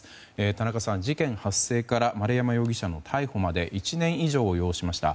田中さん、事件発生から丸山容疑者の逮捕まで１年以上要しました。